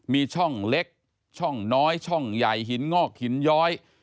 มีช่องเล็กช่องน้อยช่องใหญ่หินงอกหินย้อย